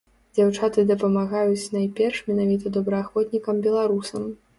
Дзяўчаты дапамагаюць найперш менавіта добраахвотнікам-беларусам.